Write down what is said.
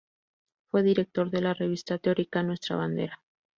Fue director de la revista teórica "Nuestra Bandera".